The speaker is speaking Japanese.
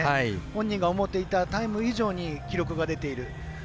本人が思っていたタイム以上に記録が出ている。